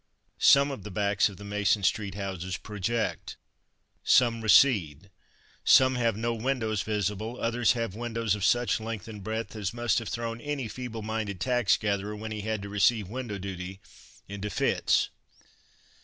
Some of the backs of the Mason street houses project, some recede, some have no windows visible, others have windows of such length and breadth as must have thrown any feeble minded tax gatherer when he had to receive window duty into fits.